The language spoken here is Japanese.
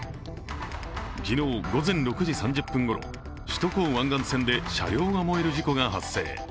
昨日、午前６時３０分ごろ首都高湾岸線で車両が燃える事故が発生。